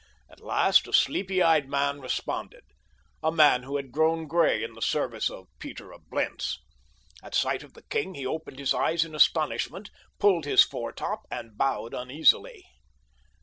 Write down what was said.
At last a sleepy eyed man responded—a man who had grown gray in the service of Peter of Blentz. At sight of the king he opened his eyes in astonishment, pulled his foretop, and bowed uneasily.